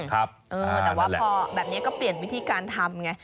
แต่ว่าพอแบบนี้ก็เปลี่ยนวิธีการทำไง